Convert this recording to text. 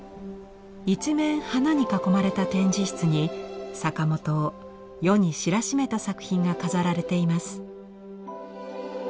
一面花に囲まれた展示室に坂本を世に知らしめた作品が飾られています。